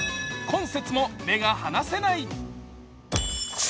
今節も目が離せない。